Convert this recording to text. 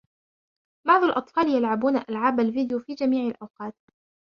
بعض الأطفال يلعبون ألعاب الفيديو في جميع الأوقات.